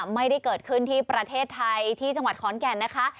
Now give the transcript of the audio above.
ไม่ได้เกิดขึ้นที่ประเทศไทยที่จังหวัดขอนแก่นนะคะ